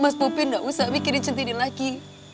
mas bobby gak usah mikirin centini lagi